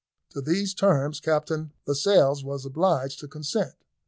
To these terms Captain Lascelles was obliged to consent.